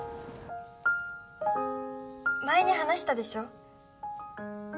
前に話したでしょ